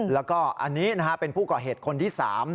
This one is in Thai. แล้วก็อันนี้เป็นผู้ก่อเหตุคนที่๓